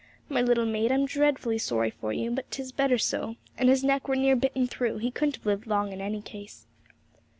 'My little maid, I'm dreadful sorry for you; but 'tis better so; and his neck were near bitten through; he couldn't have lived long in any case.'